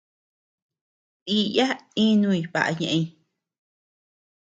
Díya inuñ baʼa ñeʼeñ.